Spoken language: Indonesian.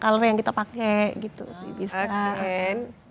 orang orang yang bisa pakai corak color yang kita pakai gitu sih bisa